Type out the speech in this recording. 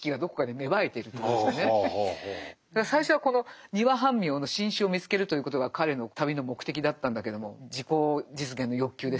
だから最初はこのニワハンミョウの新種を見つけるということが彼の旅の目的だったんだけども自己実現の欲求ですよね。